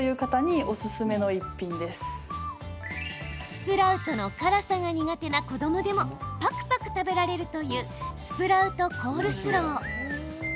スプラウトの辛さが苦手な子どもでも、ぱくぱく食べられるというスプラウトコールスロー。